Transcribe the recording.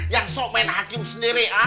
yang sok main hakim sendiri